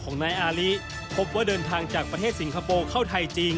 ของนายอาริพบว่าเดินทางจากประเทศสิงคโปร์เข้าไทยจริง